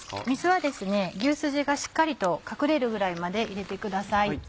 水は牛すじがしっかりと隠れるぐらいまで入れてください。